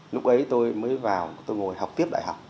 lúc ấy tôi mới vào tôi ngồi học tiếp đại học